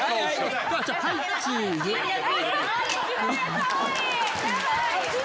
かわいい。